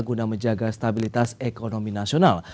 guna menjaga stabilitas ekonomi nasional